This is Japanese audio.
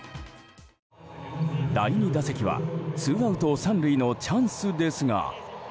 第２打席はツーアウト３塁のチャンスですが。